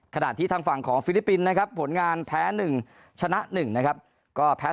ขณะที่ทางฝั่งของฟิลิปปินส์นะครับผลงานแพ้๑ชนะ๑นะครับก็แพ้